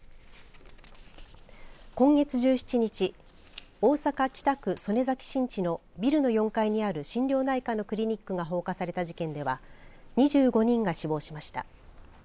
今月１７日大阪、北区曽根崎新地のビルの４階にある心療内科のクリニックが放火された事件では２５人が死亡しました。